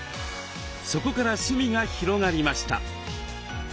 そこから趣味が広がりました。